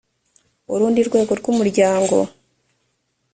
urundi rwego rw umuryango